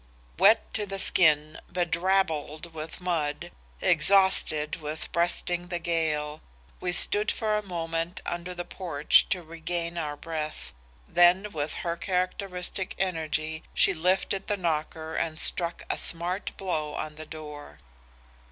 Wet to the skin, bedrabbled with mud, exhausted with breasting the gale, we stood for a moment under the porch to regain our breath, then with her characteristic energy she lifted the knocker and struck a smart blow on the door.